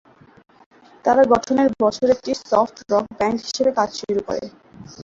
তারা গঠনের বছরে একটি সফট রক ব্যান্ড হিসাবে কাজ শুরু করে।